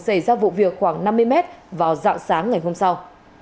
xảy ra vụ việc khoảng năm mươi mét vào dạng sáng ngày hôm sau